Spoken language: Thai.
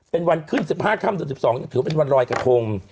เป็นวันขึ้น๑๕ค่ำเดือน๑๒ถือว่าเป็นวันรอยกระทง